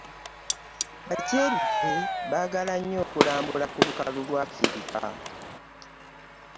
Ba kyeruppe baagala nnyo okulambula ku lukalu lwa Africa.